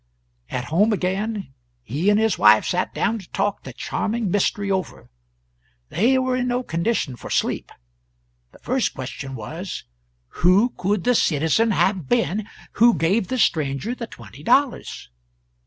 At home again, he and his wife sat down to talk the charming mystery over; they were in no condition for sleep. The first question was, Who could the citizen have been who gave the stranger the twenty dollars?